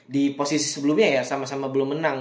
di posisi sebelumnya ya sama sama belum menang